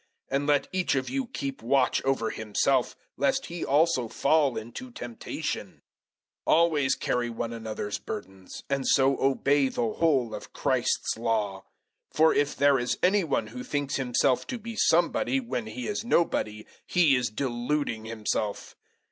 And let each of you keep watch over himself, lest he also fall into temptation. 006:002 Always carry one another's burdens, and so obey the whole of Christ's Law. 006:003 For if there is any one who thinks himself to be somebody when he is nobody, he is deluding himself.